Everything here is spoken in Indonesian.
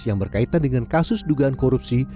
yang berkaitan dengan kasus dugaan korupsi